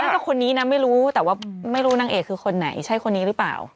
จะคนนี้นะไม่รู้แต่ว่าไม่รู้นางเอกคือคนไหนใช่คนนี้หรือเปล่า